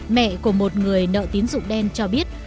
mẹ của một người nợ tín dụng đen cho biết